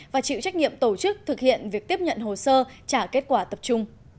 và chịu trách nhiệm tổ chức thực hiện việc tiếp nhận hồ sơ trả kết quả tập trung